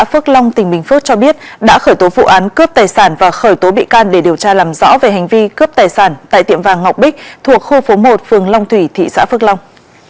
thị phước long tỉnh bình phước cho biết đã khởi tố vụ án cướp tài sản và khởi tố bị can để điều tra làm rõ về hành vi cướp tài sản tại tiệm vàng ngọc bích thuộc khu phố một phường long thủy thị xã phước long